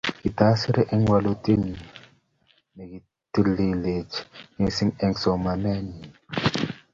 Kitasirei eng walutienyi nekitaikilikei mising eng somanenyi